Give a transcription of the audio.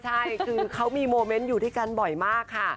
ใช่คือเขามีโมเมนต์อยู่ด้วยกันบ่อยมากค่ะ